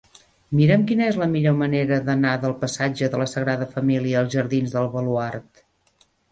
Mira'm quina és la millor manera d'anar del passatge de la Sagrada Família als jardins del Baluard.